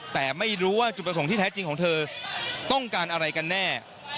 แต่ไม่รู้ว่าจุดประสงค์ที่แท้จริงของเธอต้องการอะไรกันแน่